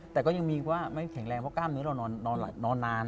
แต่ก็ยังมีว่าไม่แข็งแรงเพราะกล้ามเนื้อเรานอนนาน